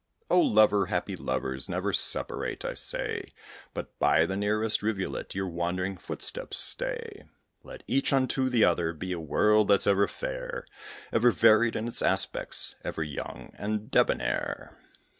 Oh, lover, happy lovers! never separate, I say, But by the nearest rivulet your wandering footsteps stay. Let each unto the other be a world that's ever fair, Ever varied in its aspects, ever young and debonair.